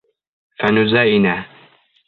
Фәнүзә инә.